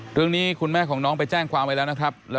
เรื่องนี้คุณแม่ของน้องไปแจ้งความไปแล้วนะครับ